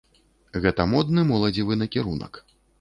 Гэта модны моладзевы накірунак.